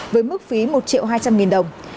với mức phí một triệu hai trăm linh đồng